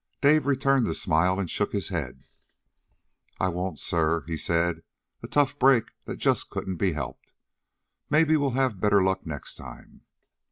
Dave returned the smile and shook his head. "I won't, sir," he said. "A tough break that just couldn't be helped. Maybe we'll have better luck next time."